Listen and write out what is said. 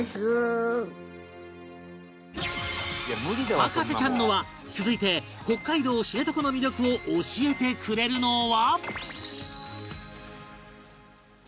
博士ちゃんの輪続いて北海道知床の魅力を教えてくれるのは